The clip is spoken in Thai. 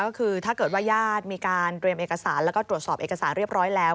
ก็คือถ้าเกิดว่าญาติมีการเตรียมเอกสารแล้วก็ตรวจสอบเอกสารเรียบร้อยแล้ว